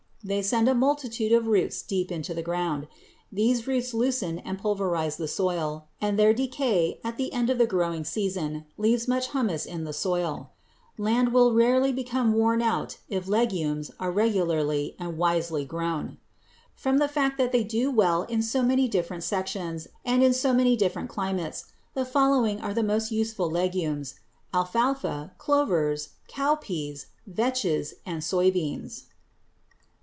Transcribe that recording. They send a multitude of roots deep into the ground. These roots loosen and pulverize the soil, and their decay, at the end of the growing season, leaves much humus in the soil. Land will rarely become worn out if legumes are regularly and wisely grown. From the fact that they do well in so many different sections and in so many different climates, the following are the most useful legumes: alfalfa, clovers, cowpeas, vetches, and soy beans.